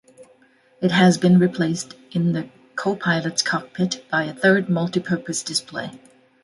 It has been replaced in the co-pilot's cockpit by a third Multi Purpose Display.